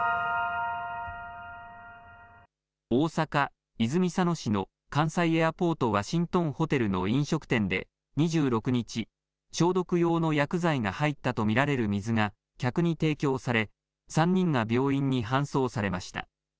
大阪・泉佐野市の関西エアポートワシントンホテルの飲食店で２６日、消毒用の薬剤が入ったと見られる水が、客に提供され、３人が病院に搬送されました。